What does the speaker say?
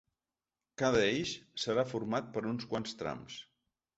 Cada eix serà format per uns quants trams.